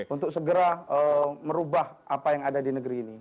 untuk segera merubah apa yang ada di negeri ini